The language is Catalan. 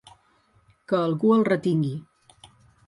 Que algú el retingui.